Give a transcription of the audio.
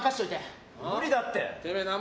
無理だって。